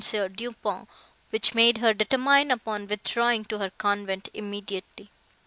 Du Pont, which made her determine upon withdrawing to her convent immediately.